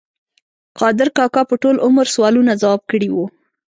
قادر کاکا په ټول عمر سوالونه ځواب کړي وو.